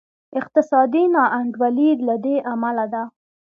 اقتصادي نا انډولي له دې امله ده.